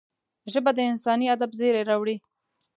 ژبه د انساني ادب زېری راوړي